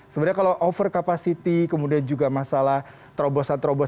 sebenarnya kalau over capacity kemudian juga masalah terobosan terobosan